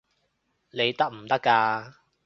你得唔得㗎？